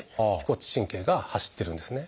腓骨神経が走ってるんですね。